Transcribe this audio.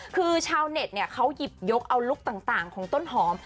คือชาวเน็ตเขาหยิบยกเอาลุคต่างของต้นหอม